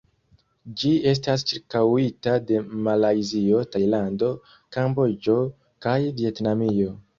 Ĝi estas ĉirkaŭita de Malajzio, Tajlando, Kamboĝo kaj Vjetnamio.